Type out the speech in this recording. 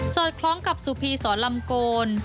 อดคล้องกับสุพีสอนลำโกน